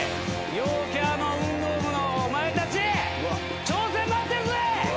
陽キャの運動部のお前たち挑戦待ってるぜ！